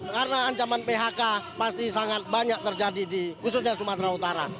karena ancaman phk pasti sangat banyak terjadi di khususnya sumatera utara